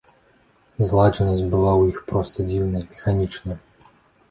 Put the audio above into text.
Зладжанасць была ў іх проста дзіўная, механічная.